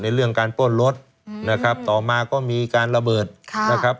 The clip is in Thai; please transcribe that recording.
เรื่องการปล้นรถนะครับต่อมาก็มีการระเบิดนะครับ